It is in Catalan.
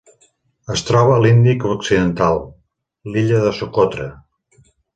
Es troba a l'Índic occidental: l'illa de Socotra.